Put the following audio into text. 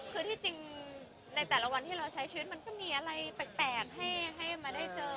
คือที่จริงในแต่ละวันที่เราใช้ชีวิตมันก็มีอะไรแปลกให้มาได้เจอ